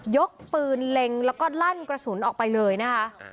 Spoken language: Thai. ยกปืนเล็งแล้วก็ลั่นกระสุนออกไปเลยนะคะ